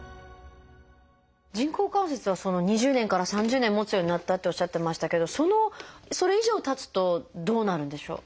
人工関節は２０年から３０年もつようになったっておっしゃってましたけどそのそれ以上たつとどうなるんでしょう？